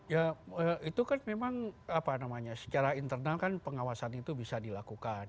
ya itu kan memang apa namanya secara internal kan pengawasan itu bisa dilakukan